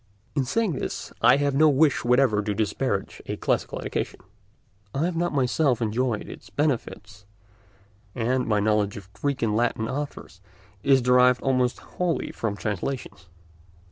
In saying this I have no wish whatever to disparage a classical education. I have not myself enjoyed its benefits, and my knowledge of Greek and Latin authors is derived almost wholly from translations.